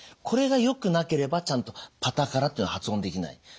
これがよくなければちゃんと「パタカラ」っていうの発音できない。